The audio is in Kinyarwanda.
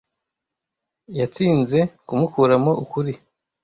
Yatsinze kumukuramo ukuri.